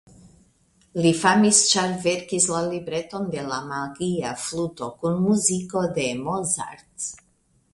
Li famis ĉar verkis la libreton de La magia fluto kun muziko de Mozart.